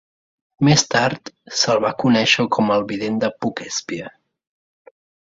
Més tard se'l va conèixer com el "vident de Poughkeepsie".